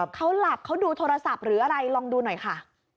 เขาหลับเขาดูโทรศัพท์หรืออะไรลองดูหน่อยค่ะ